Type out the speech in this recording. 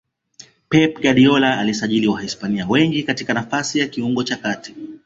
pep guardiola alisajili wahispania wengi nafasi ya kiungo cha kati